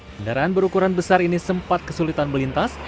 kendaraan berukuran besar ini sempat kesulitan melintas